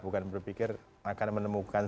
bukan berpikir akan menemukan